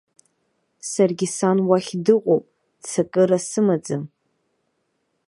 Саргьы сан уахь дыҟоуп, ццакыра сымаӡам.